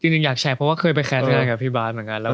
จริงอยากแชร์เพราะว่าเคยไปแคร์กับพี่บาทเหมือนกัน